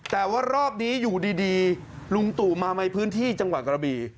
แต่ว่ารอบนี้อยู่ดีลุงตู่มาในพื้นที่จังหวัดกระบี